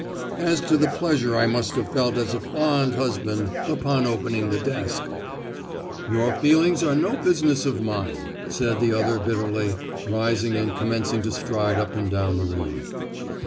"As to the pleasure I must have felt as a fond husband, upon opening the desk." "Your feelings are no business of mine!" said the other bitterly, rising and commencing to stride up and down the room.